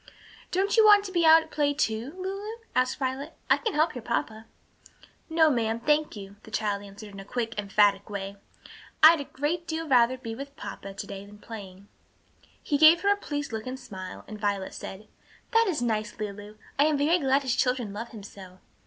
"Don't you want to be out at play, too, Lulu?" asked Violet. "I can help your papa." "No, ma'am, thank you," the child answered in a quick, emphatic way. "I'd a great deal rather be with papa to day than playing." He gave her a pleased look and smile, and Violet said, "That is nice, Lulu; I am very glad his children love him so."